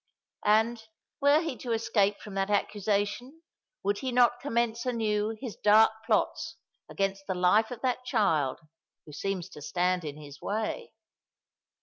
And, were he to escape from that accusation, would he not commence anew his dark plots against the life of that child who seems to stand in his way?